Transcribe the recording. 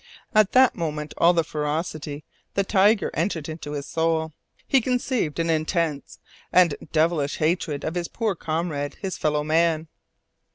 At that moment all the ferocity of the tiger entered into his soul. He conceived an intense and devilish hatred of his poor comrade, his fellow man.